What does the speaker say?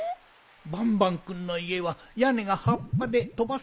バンバンくんのいえはやねがはっぱでとばされやすいからね。